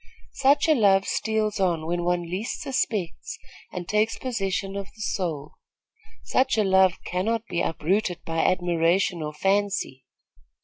Such a love steals on when one least suspects and takes possession of the soul. Such a love cannot be uprooted by admiration or fancy.